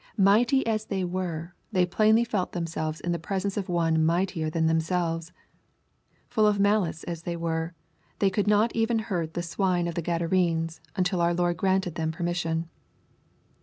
Mighty as they were, they plainly felt themselves in the presence of One mightier than themselves. Full of malice as they were, they could not even hurt the '^ swine" of the Gradarenes until our Lord granted them permission.